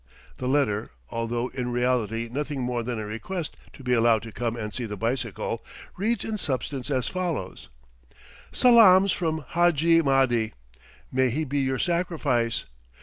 The letter, although in reality nothing more than a request to be allowed to come and see the bicycle, reads in substance as follows: "Salaams from Hadji Mahdi may he be your sacrifice!